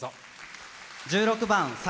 １６番「櫻」。